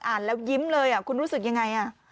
อ่านแล้วยิ้มเลยอ่ะคุณรู้สึกยังไงอ่ะ